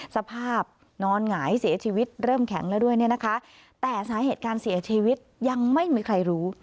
สภาพนอนหงายเสียชีวิตเริ่มแข็งแล้วด้วยเนี่ยนะคะแต่สาเหตุการเสียชีวิตยังไม่มีใครรู้